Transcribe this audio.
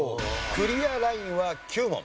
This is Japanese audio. クリアラインは９問。